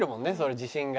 自信が。